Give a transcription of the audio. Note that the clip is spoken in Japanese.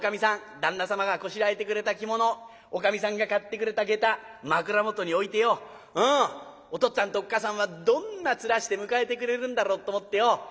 旦那様がこしらえてくれた着物おかみさんが買ってくれた下駄枕元に置いてよお父っつぁんとおっ母さんはどんな面して迎えてくれるんだろうと思ってよ